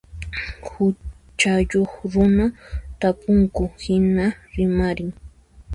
Huchayuq runa tapunku hina rimarin.